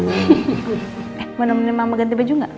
eh mau nemenin mama ganti baju gak